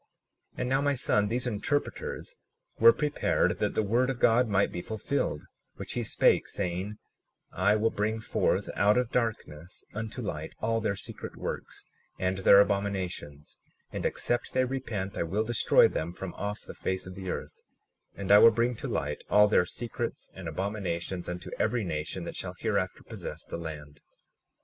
37:24 And now, my son, these interpreters were prepared that the word of God might be fulfilled, which he spake, saying: 37:25 I will bring forth out of darkness unto light all their secret works and their abominations; and except they repent I will destroy them from off the face of the earth; and I will bring to light all their secrets and abominations, unto every nation that shall hereafter possess the land.